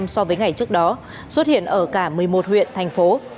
so với ngày trước đó xuất hiện ở cả một mươi một huyện thành phố